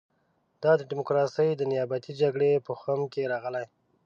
دا ډیموکراسي د نیابتي جګړې په خُم کې راغلې.